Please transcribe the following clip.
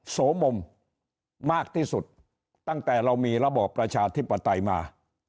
โสมมมากที่สุดตั้งแต่เรามีระบอบประชาธิปไตยมา